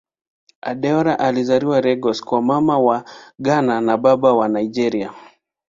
Adeola alizaliwa Lagos kwa Mama wa Ghana na Baba wa Nigeria.